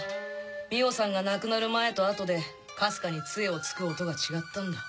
美緒さんが亡くなる前と後でかすかに杖をつく音が違ったんだ。